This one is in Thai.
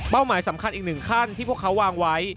หมายสำคัญอีกหนึ่งขั้นที่พวกเขาวางไว้